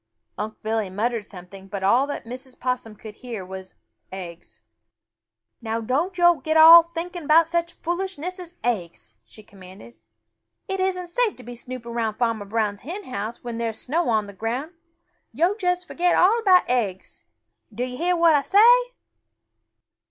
Unc' Billy muttered something, but all that Mrs. Possum could hear was "eggs." "Now don't yo'all get to thinking of such foolishness as eggs," she commanded. "It isn't safe to be snooping around Farmer Brown's hen house when there's snow on the ground. Yo' just fo'get all about eggs! Do yo' hear what Ah say?"